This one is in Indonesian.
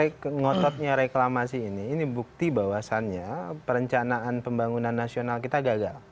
saya ngototnya reklamasi ini ini bukti bahwasannya perencanaan pembangunan nasional kita gagal